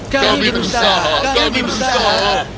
kami berusaha kami berusaha